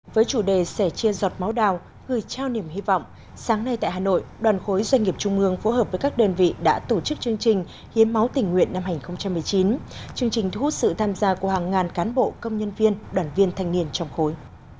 với chủ đề sẻ chia giọt máu đào gửi trao niềm hy vọng sáng nay tại hà nội đoàn khối doanh nghiệp trung ương phối hợp với các đơn vị đã tổ chức chương trình hiến máu tình nguyện năm hai nghìn một mươi chín chương trình thu hút sự tham gia của hàng ngàn cán bộ công nhân viên đoàn viên thanh niên trong khối